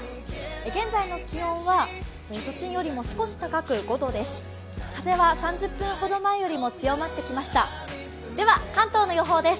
現在の気温は都心よりも少し高く５度です。